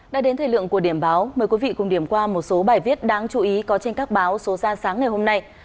đã đến thời lượng của điểm báo mời quý vị cùng điểm qua một số bài viết đáng chú ý có trên các báo số ra sáng ngày hôm nay